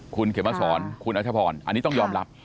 คุณเขมสอนคุณอัชพรอันนี้ต้องยอมรับ